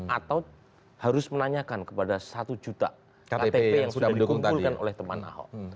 atau harus menanyakan kepada satu juta ktp yang sudah dikumpulkan oleh teman ahok